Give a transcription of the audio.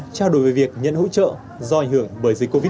trao đổi về việc nhận hỗ trợ do ảnh hưởng bởi dịch covid một mươi chín